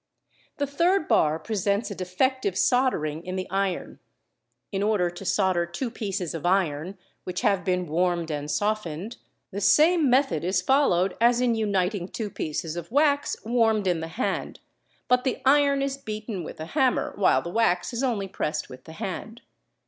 The third bar presents a defec \ _tive soldering in the iron: in order to solder two pieces of iron which have been warmed and softened, the same method is followed as in uniting two pieces.of wax warmed in the hand; but the iron is beaten with a hammer while the wax is only pressed with the hand.